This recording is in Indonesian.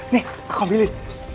nih aku ambilin